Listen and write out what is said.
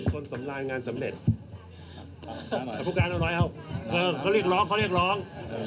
คนสำรางงานสำเร็จพวกการเอาหน่อยเขาเขาเรียกร้องเขาเรียกร้อง